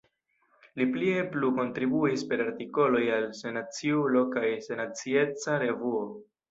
Li plie plu kontribuis per artikoloj al Sennaciulo kaj Sennacieca Revuo.